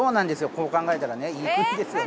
こう考えたらねいい国ですよ